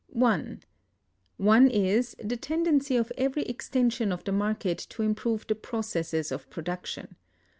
(1) One is, the tendency of every extension of the market to improve the processes of production.